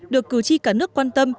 được cử tri cả nước quan tâm